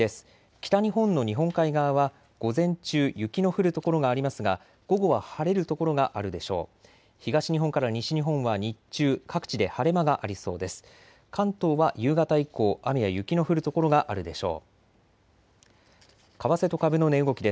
北日本の日本海側は午前中雪の降る所がありますが午後は晴れる所があるでしょう。